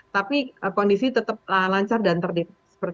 tapi kondisi tetap lancar dan terdiri